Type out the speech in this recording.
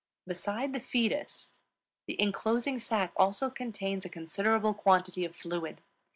Beside the fetus the inclosing sac also contains a considerable quantity of fluid.